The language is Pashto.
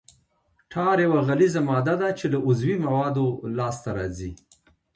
ټار یوه غلیظه ماده ده چې له عضوي موادو لاسته راځي